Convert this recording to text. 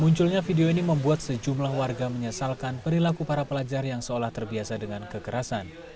munculnya video ini membuat sejumlah warga menyesalkan perilaku para pelajar yang seolah terbiasa dengan kekerasan